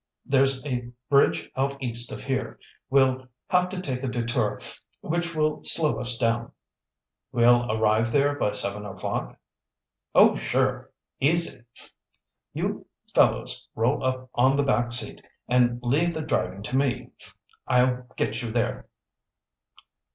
"There's a bridge out East of here. We'll have to take a detour which will slow us down." "We'll arrive there by seven o'clock?" "Oh, sure. Easy! You fellows roll up on the back seat and leave the driving to me. I'll get you there."